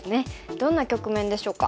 どんな局面でしょうか。